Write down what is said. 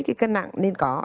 cái cân nặng nên có